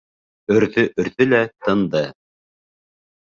Өрҙө-өрҙө лә тынды.